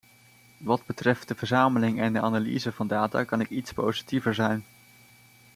Wat betreft de verzameling en de analyse van data kan ik iets positiever zijn.